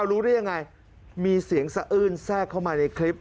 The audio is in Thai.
รู้ได้ยังไงมีเสียงสะอื้นแทรกเข้ามาในคลิป